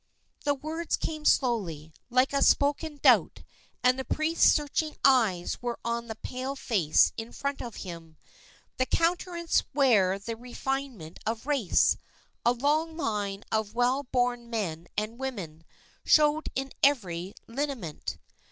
The words came slowly, like a spoken doubt, and the priest's searching eyes were on the pale face in front of him. The countenance where the refinement of race a long line of well born men and women, showed in every lineament.